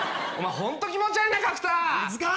ホント気持ち悪いな角田飯塚！